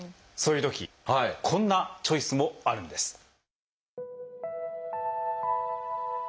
そういうときこんなチョイスもあるんです。